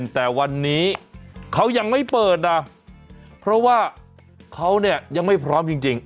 แต่วันนี้เขายังไม่เปิดนะเพราะว่าเขาเนี่ยยังไม่พร้อมจริง